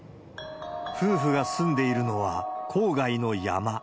夫婦が住んでいるのは、郊外の山。